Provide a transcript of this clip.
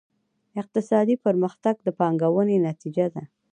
اقتصادي پرمختګ د پانګونې نتیجه ده.